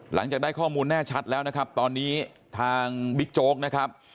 หลังจากได้ข้อมูลแน่ชัดแล้วนะครับตอนนี้ทางบิ๊กโจ๊กนะครับ